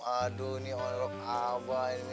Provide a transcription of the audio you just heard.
aduh ini orang apa ini